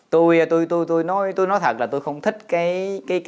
tôi tôi tôi tôi nói tôi nói thật là tôi không thích cái